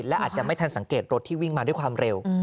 และอาจจะไม่ทันสังเกตรถที่วิ่งมาด้วยความเร็ว